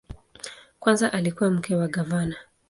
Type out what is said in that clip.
Kwanza alikuwa mke wa gavana.